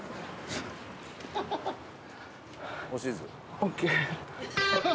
ＯＫ。